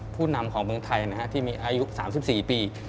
ผู้นำของเมืองไทยที่มีอายุ๓๔ปี